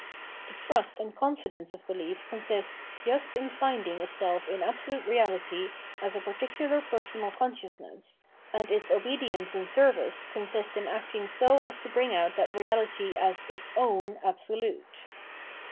The trust and confidence of behef con sists just in finding itself in absolute Reahty as a par ticular personal consciousness, and its obedience and service consist in acting so as to bring out that Reahty as its ouM Absolute.